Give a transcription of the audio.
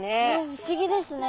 不思議ですね。